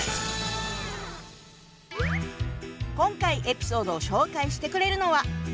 今回エピソードを紹介してくれるのは。